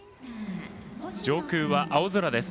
上空は青空です。